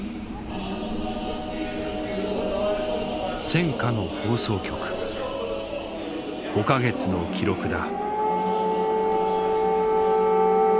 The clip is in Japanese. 戦火の放送局５か月の記録だ。